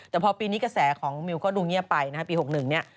แต่พอปีนี้กระแสของมิวก็ดูเงียบไปนะฮะปี๖๑เนี่ย